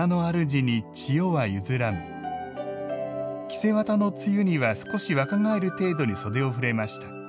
被綿の露には少し若返る程度に袖をふれました。